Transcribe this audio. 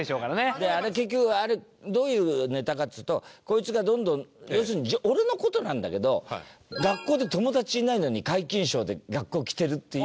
結局あれどういうネタかっつうとこいつがどんどん要するに俺の事なんだけど学校で友達いないのに皆勤賞で学校来てるっていう。